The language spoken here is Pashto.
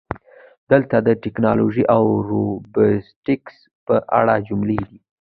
دلته د "ټکنالوژي او روبوټیکس" په اړه جملې دي: